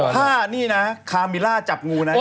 ถ้านี่นะคามิล่าจับงูนะ